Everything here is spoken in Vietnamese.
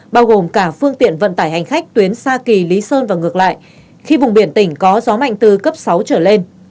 bao gồm cả phương tiện vận tải hành khách tuyến sa kỳ lý sơn và ngược lại khi vùng biển tỉnh có gió mạnh từ cấp sáu trở lên